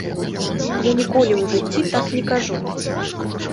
Я ніколі ў жыцці так не кажу.